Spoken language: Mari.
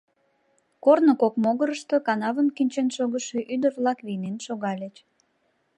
Корно кок могырышто канавым кӱнчен шогышо ӱдыр-влак вийнен шогальыч.